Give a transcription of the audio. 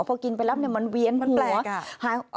พอกินไปแล้วมันเวียนหัว